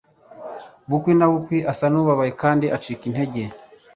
Bukwi na bukwi asa n'uwubabaye kandi acika intege